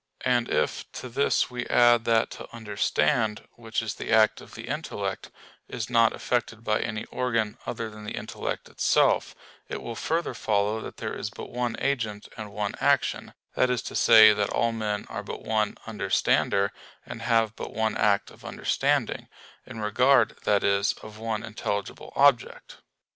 And if to this we add that to understand, which is the act of the intellect, is not affected by any organ other than the intellect itself; it will further follow that there is but one agent and one action: that is to say that all men are but one "understander," and have but one act of understanding, in regard, that is, of one intelligible object.